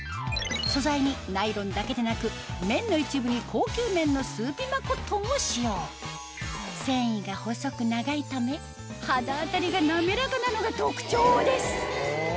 素材にナイロンだけでなく綿の一部に高級綿のスーピマコットンを使用繊維が細く長いため肌当たりが滑らかなのが特徴です